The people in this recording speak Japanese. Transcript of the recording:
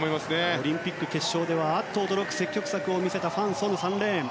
オリンピック決勝ではアッと驚く積極策を見せたファン・ソヌ、３レーン。